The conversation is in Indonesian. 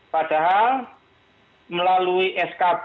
padahal melalui skb